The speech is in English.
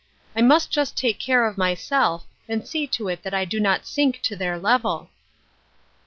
I must just take care of myself, and see to it that I do not sink to their level."